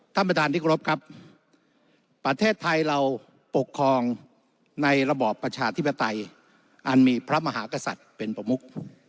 ท่านประธานที่กรบครับประเทศไทยเราปกครองในระบอบประชาธิปไตยอันมีพระมหากษัตริย์เป็นประมุก